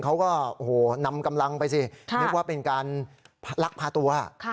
เขาก็นำกำลังไปสินึกว่าเป็นการลักพาตัว